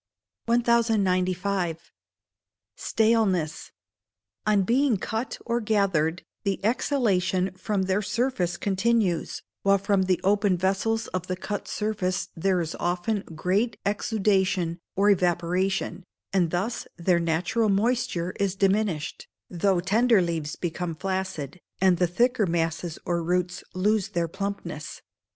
1095. Staleness. On being cut or gathered, the exhalation from their surface continues, while from the open vessels of the cut surface there is often great exudation or evaporation, and thus their natural moisture is diminished; tho tender leaves become flaccid, and the thicker masses or roots lose their plumpness.